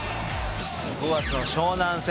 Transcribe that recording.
「５月の湘南戦。